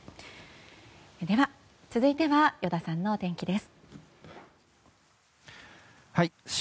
では、続いては依田さんのお天気です。